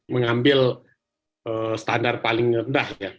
mengambil standar paling rendah